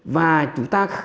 và chúng ta